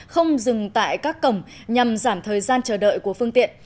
không dừng tại các cổng nhằm giảm thời gian chờ đợi của phương tiện